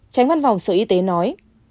tránh văn phòng sở y tế nói